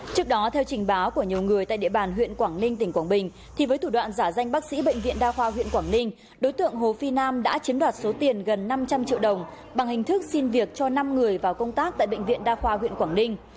trước đó theo trình báo của nhiều người tại địa bàn huyện quảng ninh tỉnh quảng bình thì với thủ đoạn giả danh bác sĩ bệnh viện đa khoa huyện quảng ninh đối tượng hồ phi nam đã chiếm đoạt số tiền gần năm trăm linh triệu đồng bằng hình thức xin việc cho năm người vào công tác tại bệnh viện đa khoa huyện quảng ninh